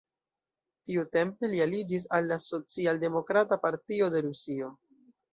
Tiutempe li aliĝis al la Socialdemokrata Partio de Rusio.